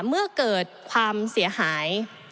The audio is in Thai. เมื่อเกิดความเสียหาย